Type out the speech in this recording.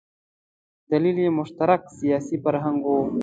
دلیل یې مشترک سیاسي فرهنګ و.